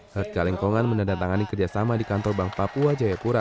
herca lingkongan mendatangkan kerjasama di kantor bank papua jaipura